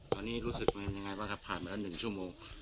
ตอนนี้รู้สึกเป็นยังไงบ้างครับผ่านมาแล้ว๑ชั่วโมง